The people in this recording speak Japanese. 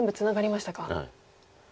はい。